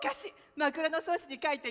「枕草子」に書いていい？